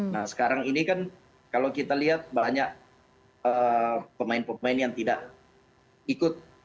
nah sekarang ini kan kalau kita lihat banyak pemain pemain yang tidak ikut